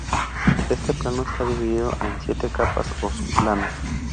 Este plano está dividido en siete capas o sub-planos.